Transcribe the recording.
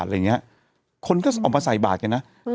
อะไรอย่างเงี้ยคนก็ออกมาใส่บาทไงนะอืม